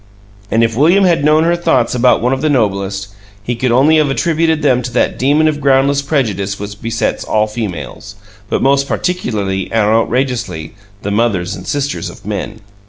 And if William had known her thoughts about one of the Noblest, he could only have attributed them to that demon of groundless prejudice which besets all females, but most particularly and outrageously the mothers and sisters of Men.